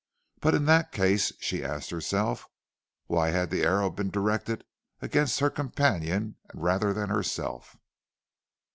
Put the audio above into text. But in that case, she asked herself, why had the arrow been directed against her companion rather than herself?